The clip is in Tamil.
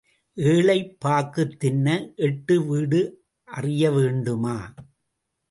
ஏழை பாக்குத் தின்ன எட்டு வீடு அறிய வேண்டுமா?